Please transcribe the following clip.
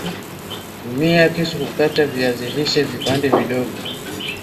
Tumia kisu kukata viazi lishe viapande vidogo